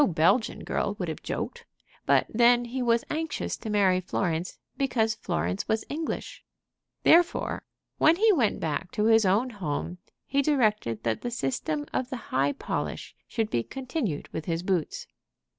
No Belgian girl would have joked. But then he was anxious to marry Florence because Florence was English. Therefore, when he went back to his own home he directed that the system of the high polish should be continued with his boots.